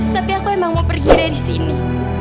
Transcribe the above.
tapi aku emang mau pergi dari sini